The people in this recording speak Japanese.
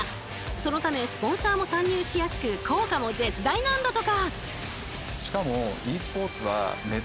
そのためスポンサーも参入しやすく効果も絶大なんだとか。